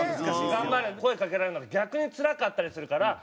「頑張れ」って声かけられるのが逆につらかったりするから。